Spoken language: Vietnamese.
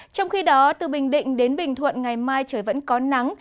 trong khi đó từ bình định đến bình thuận ngày mai trời vẫn có nắng